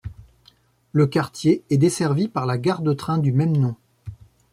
Le quartier est desservi par la gare de train du même nom.